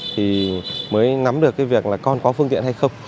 thì mới nắm được việc con có phương tiện hay không